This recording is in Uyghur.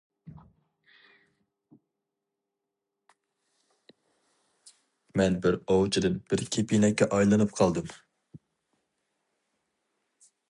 مەن بىر ئوۋچىدىن بىر كېپىنەككە ئايلىنىپ قالدىم.